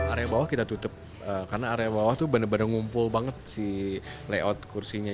area bawah kita tutup karena area bawah tuh bener bener ngumpul banget si layout kursinya